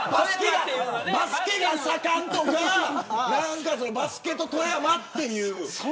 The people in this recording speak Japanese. バスケが盛んとかなんかバスケと富山という。